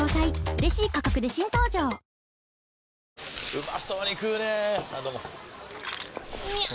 うまそうに食うねぇあどうもみゃう！！